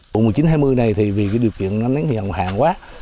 cuộc mùa chín hai mươi này vì điều kiện nắng hiển hạn quá